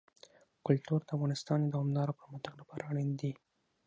کلتور د افغانستان د دوامداره پرمختګ لپاره اړین دي.